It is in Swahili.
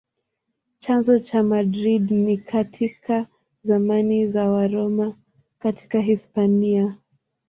Chanzo cha Madrid ni katika zamani za Waroma katika Hispania.